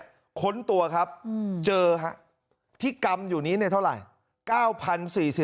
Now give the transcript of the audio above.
เสียหายเนี่ยค้นตัวครับเจอที่กำอยู่นี้ในเท่าไร